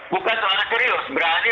bukan karena serius berani